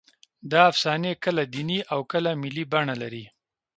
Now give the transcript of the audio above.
دا افسانې کله دیني او کله ملي بڼه لري.